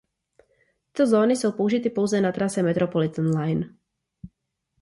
Tyto zóny jsou použity pouze na trase "Metropolitan Line".